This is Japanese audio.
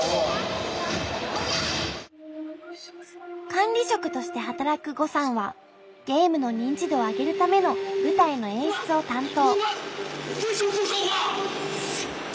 管理職として働く呉さんはゲームの認知度を上げるための舞台の演出を担当。